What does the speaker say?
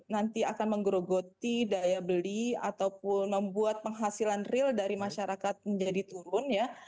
nanti akan menggerogoti daya beli ataupun membuat penghasilan real dari masyarakat menjadi turun ya